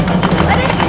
aduh aduh aduh